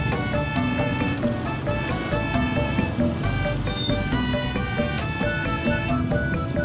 constructive iya nggak itulah ini